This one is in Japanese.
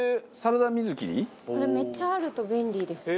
これめっちゃあると便利ですよ。